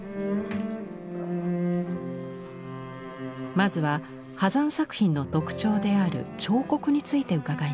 まずは波山作品の特徴である彫刻について伺いました。